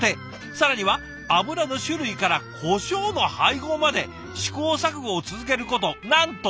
更には油の種類からこしょうの配合まで試行錯誤を続けることなんと１年！